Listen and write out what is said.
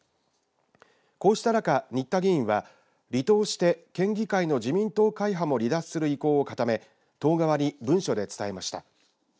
こうした中、仁田議員は離党して県議会の自民党会派も離脱する意向を固め党側に文書で伝えました。